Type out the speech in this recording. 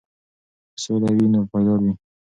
که سوله وي نو پایدار وي.